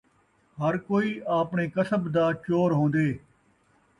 ہر کئی آپݨے کسب دا چور ہون٘دے